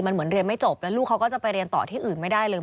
มันเหมือนเรียนไม่จบแล้วลูกเขาก็จะไปเรียนต่อที่อื่นไม่ได้เลย